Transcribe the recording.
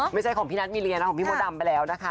ไม่ใช่ของพี่นัทมีเรียนนะของพี่มดดำไปแล้วนะคะ